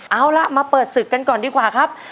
เอาล่ะมาเปิดศึกกันก่อนดีกว่าครับ